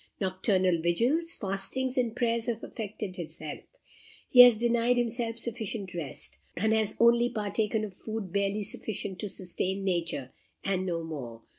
Nocturnal vigils, fastings, and prayers have affected his health. He has denied himself sufficient rest, and has only partaken of food barely sufficient to sustain nature, and no more.